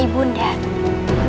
ibu sedang menjelaskan selasi